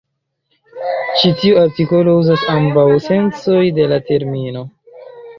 Ĉi tiu artikolo uzas ambaŭ sencoj de la termino.